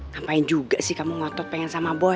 ngapain juga sih kamu ngotot pengen sama bos